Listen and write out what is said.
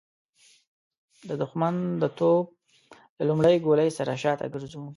د د ښمن د توپ له لومړۍ ګولۍ سره شاته ګرځو.